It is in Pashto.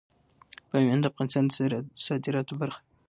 بامیان د افغانستان د صادراتو برخه ده.